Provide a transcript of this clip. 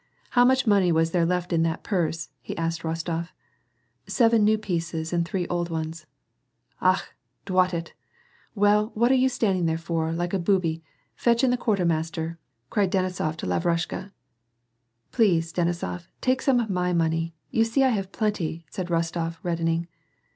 " How much money was there left in that purse ?" he asked of Rostof. " Seven new pieces and three old ones." " Akh, d'wat it !— Well, what are you standing there for like a booby, fetch in the quartermaster," cried Denisof to La vrushka. " Please, Denisof, take some of my money ; you see I have plenty," said Rostof, reddening.